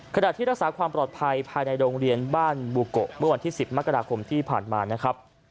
ขณะที่รักษาความปลอดภัยภายในโรงเรียนบ้านบูโกะเมื่อวันที่๑๐มกราคมที่ผ่านมานะครับ